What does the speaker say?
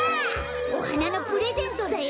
おはなのプレゼントだよ。